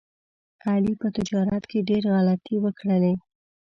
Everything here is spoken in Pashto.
علي په تجارت کې ډېر غلطۍ وکړلې.